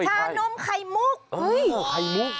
ชานมไข่มุก